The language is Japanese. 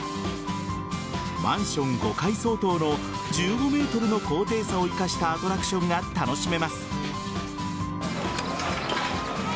マンション５階相当の１５ｍの高低差を生かしたアトラクションが楽しめます。